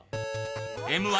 「Ｍ−１」